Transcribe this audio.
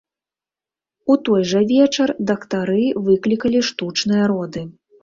У той жа вечар дактары выклікалі штучныя роды.